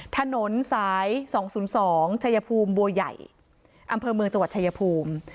ถนนสาย๒๐๒ชายภูมิบัวใหญ่อำเภอเมืองจังหวัดชายภูมิ